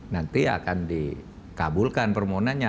nanti akan dikabulkan permohonannya